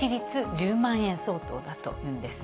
１０万円相当だというんです。